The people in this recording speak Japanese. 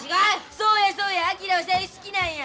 そうやそうや昭は小百合好きなんや！